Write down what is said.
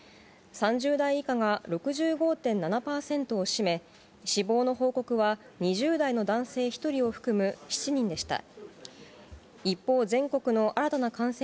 ３０代以下が６５．７％を占め、死亡の報告は２０代の男性１人を含む７人でした。